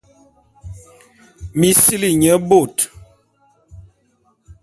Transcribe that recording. Mi sili nye bôt.